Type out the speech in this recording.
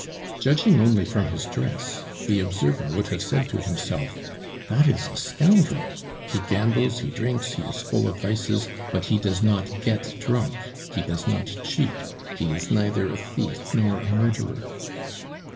Judging only from his dress, the observer would have said to himself, "That is a scoundrel; he gambles, he drinks, he is full of vices; but he does not get drunk, he does not cheat, he is neither a thief nor a murderer."